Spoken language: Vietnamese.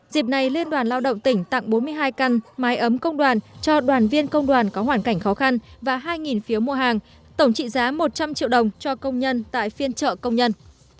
dịp này liên đoàn lao động tỉnh tặng bốn mươi hai căn mái ấm công đoàn cho đoàn viên công đoàn có hoàn cảnh khó khăn và hai phiếu mua hàng tổng trị giá một trăm linh triệu đồng cho công nhân tại phiên chợ công nhân